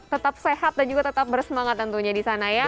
tetap sehat dan juga tetap bersemangat tentunya di sana ya